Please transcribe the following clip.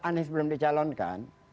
anies belum dicalonkan